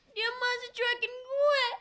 dia masih cuekin gue